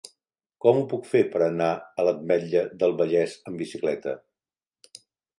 Com ho puc fer per anar a l'Ametlla del Vallès amb bicicleta?